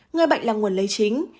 người bệnh là nguồn lấy chính